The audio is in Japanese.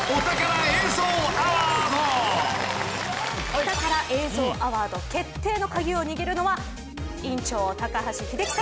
お宝映像アワード決定の鍵を握るのは員長高橋英樹さん。